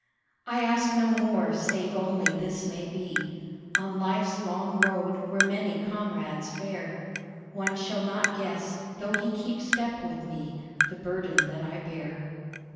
I ask no more save only this may be On life's long road, where many comrades fare, One shall not guess, though he keep step with me, The burden that I bear.